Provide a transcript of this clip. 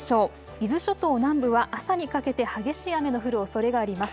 伊豆諸島南部は朝にかけて激しい雨の降るおそれがあります。